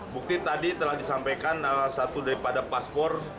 bukti tadi telah disampaikan salah satu daripada paspor